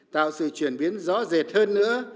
tạo sự chuyển biến rõ rệt hơn nữa